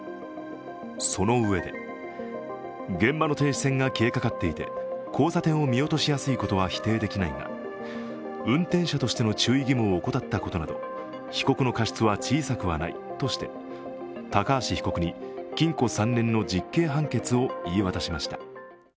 そのうえで、現場の停止線が消えかかっていて交差点を見落としやすいことは否定できないが、運転手としての注意義務を怠ったことなど被告の過失は小さくはないとして、高橋被告に禁錮３年の実刑判決を言い渡しました。